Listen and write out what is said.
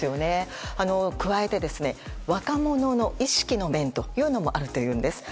加えて、若者の意識の面もあるというんです。